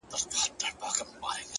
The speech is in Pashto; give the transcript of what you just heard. سم به خو دوى راپسي مه ږغوه”